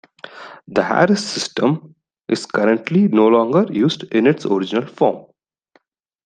The Harris system is currently no longer used in its original form.